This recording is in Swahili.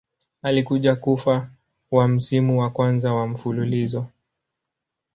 Alikuja kufa wa msimu wa kwanza wa mfululizo.